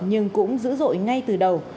nhưng cũng dữ dội ngay từ đầu